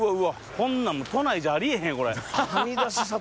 こんなん都内じゃありえへん。